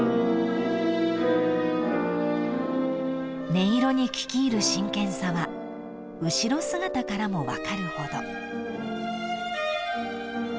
［音色に聞き入る真剣さは後ろ姿からも分かるほど］